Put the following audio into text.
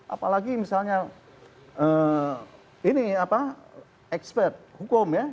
apalagi misalnya ini apa expert hukum ya